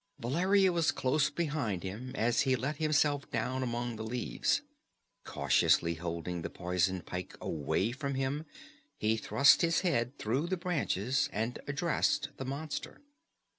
Valeria was close behind him as he let himself down among the leaves. Cautiously holding the poisoned pike away from him, he thrust his head through the branches and addressed the monster.